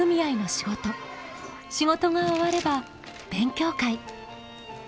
仕事が終われば勉強会。